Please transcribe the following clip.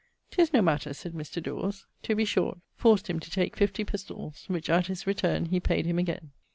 ''Tis no matter,' said Mr. Dawes. To be short, forced him to take fifty pistolls, which at his returne he payd him again.